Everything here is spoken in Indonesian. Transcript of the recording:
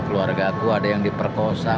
keluarga aku ada yang diperkosa